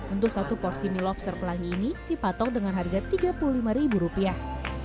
untuk satu porsi mie lobster pelangi ini dipatok dengan harga tiga puluh lima ribu rupiah